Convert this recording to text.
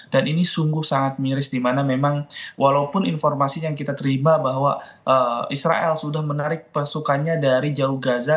dan ini sungguh sangat miris dimana memang walaupun informasi yang kita terima bahwa israel sudah menarik pasukannya dari jawa gaza